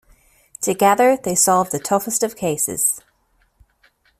Together, they solve the toughest of cases.